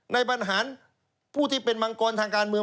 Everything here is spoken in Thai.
บรรหารผู้ที่เป็นมังกรทางการเมือง